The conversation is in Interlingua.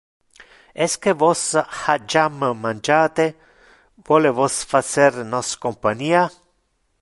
Esque vos ha jam mangiate? Vole vos facer nos compania?